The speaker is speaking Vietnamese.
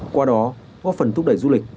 qua đó góp phần thúc đẩy du lịch